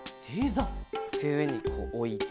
つくえにこうおいて。